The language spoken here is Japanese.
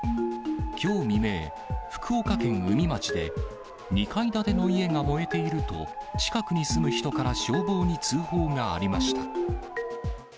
きょう未明、福岡県宇美町で、２階建ての家が燃えていると、近くに住む人から消防に通報がありました。